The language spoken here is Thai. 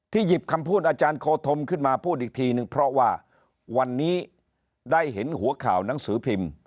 หยิบคำพูดอาจารย์โคธมขึ้นมาพูดอีกทีนึงเพราะว่าวันนี้ได้เห็นหัวข่าวหนังสือพิมพ์